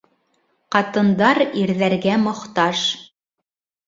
Ҡатындар ирҙәргә мохтаж.